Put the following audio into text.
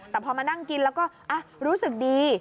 แต่พอมานั่งกินแล้วก็รู้สึกดี